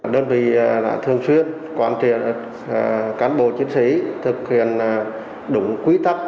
đơn vị là thường xuyên quan trị cán bộ chính sĩ thực hiện đúng quy tắc